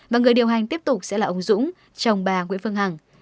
và người điều hành tiếp tục sẽ là ông dũng chồng bà nguyễn phương hằng